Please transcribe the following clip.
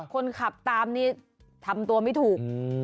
คนขับตามนี่ทำตัวไม่ถูก